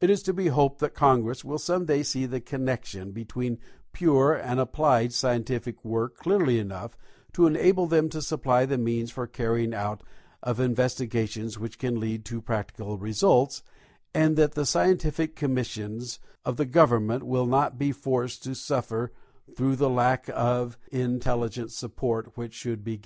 It is to be hoped that Congress will some day see the connection between pure and applied scientific work clearly enough to enable them to supply the means for the carrying out of investigations which can lead to practical results, and that the scientific commissions of the Government will not be forced to suffer through the lack of in telligent support which should be